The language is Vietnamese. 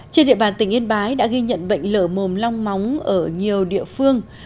trên địa bàn tỉnh yên bái đã ghi nhận bệnh lở mồm long móng ở nhiều địa phương